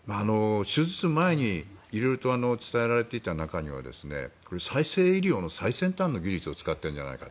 手術前に色々と伝えられていた中には再生医療の最先端の技術を使っているんじゃないか。